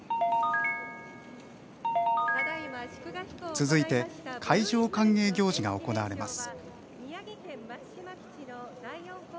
続いて海上歓迎行事が行われます。